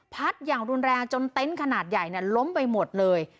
อย่างรุนแรงจนเต็นต์ขนาดใหญ่ล้มไปหมดเลย